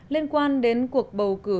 liên quan đến cuộc bầu cử